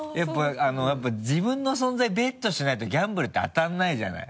やっぱ自分の存在ベットしないとギャンブルって当たらないじゃない。